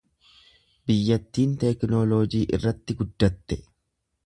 Biyyattiin teknooloojii irratti guddatte.